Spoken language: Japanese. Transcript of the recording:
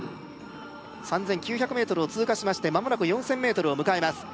３９００ｍを通過しましてまもなく４０００ｍを迎えます